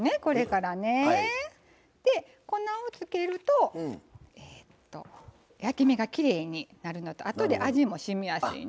で粉をつけるとえっと焼き目がきれいになるのとあとで味もしみやすいね。